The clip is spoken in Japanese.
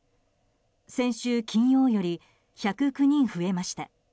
先週金曜より１０９人増えました。